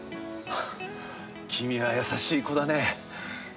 君は優しい子だね。